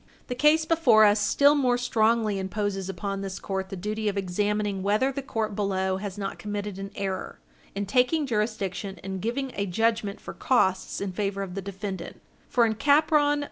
The case before us still more strongly imposes upon this court the duty of examining whether the court below has not committed an error in taking jurisdiction and giving a judgment for costs in favor of the defendant, for in Capron v.